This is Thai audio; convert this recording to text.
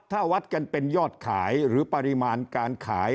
ถ้าวัดกันเป็นยอดขายหรือปริมาณการขาย